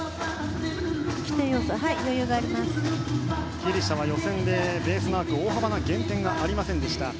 ギリシャは予選でベースマーク、大幅な減点がありませんでした。